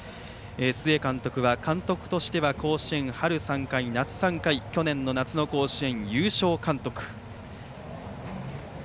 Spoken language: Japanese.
須江監督は監督としては甲子園、春３回夏３回、去年の夏の甲子園優勝監督。